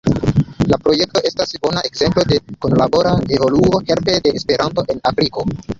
La projekto estas bona ekzemplo de kunlabora evoluo helpe de Esperanto en Afriko.